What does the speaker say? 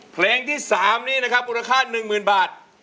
เพลงที่สามนี้นะครับมูลค่าหนึ่งหมื่นบาท